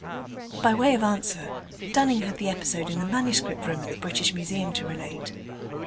By way of answer, Dunning had the episode in the Manuscript Room at the British Museum to relate.